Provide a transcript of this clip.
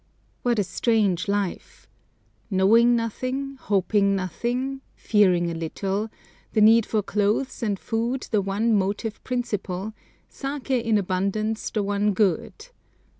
What a strange life! knowing nothing, hoping nothing, fearing a little, the need for clothes and food the one motive principle, saké in abundance the one good!